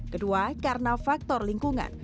kedua karena faktor lingkungan